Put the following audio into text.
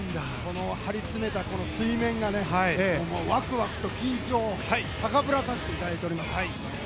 張り詰めた水面がワクワクと緊張を高ぶらさせていただいております。